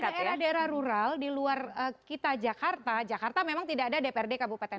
daerah daerah rural di luar kita jakarta jakarta memang tidak ada dprd kabupaten